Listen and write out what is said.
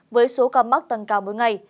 với số ca mắc tăng cao mỗi ngày